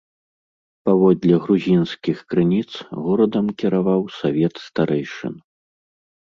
Паводле грузінскіх крыніц, горадам кіраваў савет старэйшын.